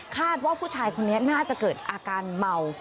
ว่าผู้ชายคนนี้น่าจะเกิดอาการเมา